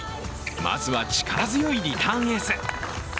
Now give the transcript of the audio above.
まずは力強いリターンエース。